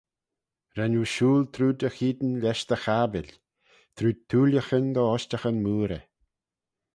Ren oo shooyl trooid y cheayn lesh dty chabbil, trooid thooillaghyn dy ushtaghyn mooarey.